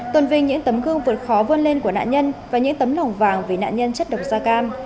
tuần vinh những tấm gương vượt khó vơn lên của nạn nhân và những tấm lỏng vàng về nạn nhân chất độc gia cam